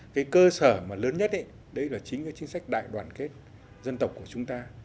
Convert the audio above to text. cái cơ sở mà lớn nhất đấy là chính cái chính sách đại đoàn kết dân tộc của chúng ta